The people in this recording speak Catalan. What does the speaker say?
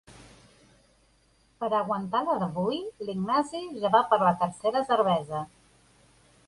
Per aguantar la d'avui l'Ignasi ja va per la tercera cervesa.